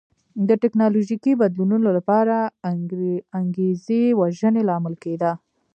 د ټکنالوژیکي بدلونونو لپاره انګېزې وژنې لامل کېده.